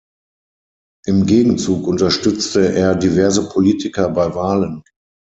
Im Gegenzug unterstützte er diverse Politiker bei Wahlen.